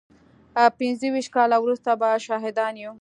پينځه ويشت کاله وروسته به شاهدان يو.